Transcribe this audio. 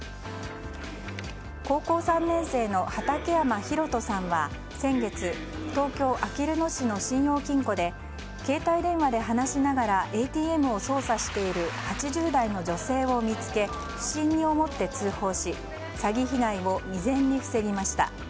高校３年生の畠山丈翔さんは先月東京・あきる野市の信用金庫で携帯電話で話しながらＡＴＭを操作している８０代の女性を見つけ不審に思って通報し詐欺被害を未然に防ぎました。